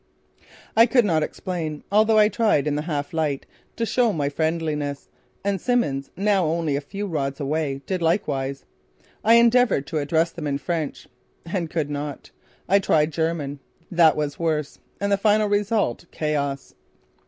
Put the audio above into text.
I could not explain, although I tried in the half light to show my friendliness, and Simmons, now a few rods away, did likewise. I endeavoured to address them in French and could not. I tried German. That was worse and the final result chaos.